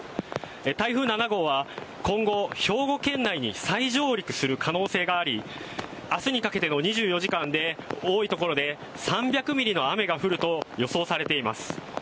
台風７号は今後兵庫県内に再上陸する可能性がありあすにかけての２４時間で多い所で３００ミリの雨が降ると予想されています